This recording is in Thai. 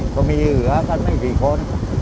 ก็มีเหลือกันไม่กี่คน